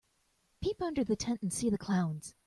Peep under the tent and see the clowns.